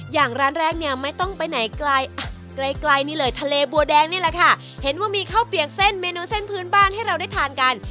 อย่างร้านแรกเนี่ยไม่ต้องไปไหนไกลอ่ะใกล้ใกล้นี่เลยทะเลบัวแดงนี่แหละค่ะเห็นว่ามีข้าวเปียกเส้นเมนูเส้นพื้นบ้านให้เราได้ทานกัน